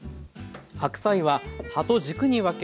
白菜は葉と軸に分け